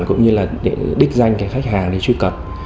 cũng như là để đích danh cái khách hàng để truy cập